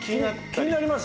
気になります。